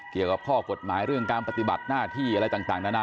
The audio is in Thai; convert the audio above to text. เกี่ยวกับข้อกฎหมายเรื่องการปฏิบัติหน้าที่อะไรต่างนานา